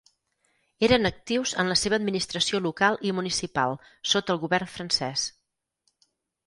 Eren actius en la seva administració local i municipal sota el govern francès.